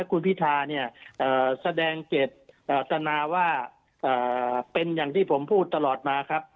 คุณพิธาเนี่ยแสดงเจตนาว่าเป็นอย่างที่ผมพูดตลอดมาครับ